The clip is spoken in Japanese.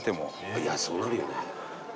いやそうなるよね。